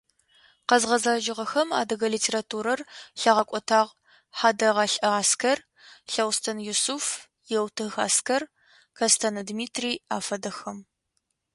Къэзгъэзэжьыгъэхэм адыгэ литературэр лъагъэкӏотагъ: Хьадэгъэлӏэ Аскэр, Лъэустэн Юсыф, Еутых Аскэр, Кэстэнэ Дмитрий афэдэхэм.